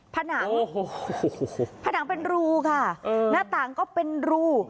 ผนังโอ้โหผนังเป็นรูค่ะหน้าต่างก็เป็นรู